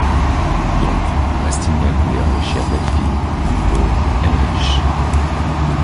Donc, Rastignac voulait enrichir Delphine, lui pauvre, elle riche!